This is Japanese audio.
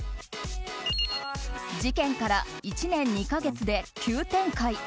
事件から１年２か月で急展開。